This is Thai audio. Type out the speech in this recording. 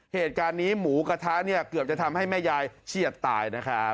เหตุการณ์นี้หมูกระทะเนี่ยเกือบจะทำให้แม่ยายเฉียดตายนะครับ